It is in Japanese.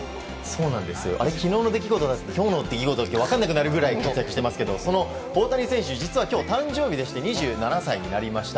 昨日の出来事か今日の出来事か分からなくなるぐらい活躍していますがその大谷選手、実は今日誕生日でして２７歳になりまして。